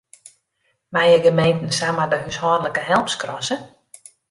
Meie gemeenten samar de húshâldlike help skrasse?